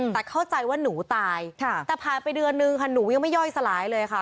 แต่เข้าใจว่าหนูตายแต่ผ่านไปเดือนนึงค่ะหนูยังไม่ย่อยสลายเลยค่ะ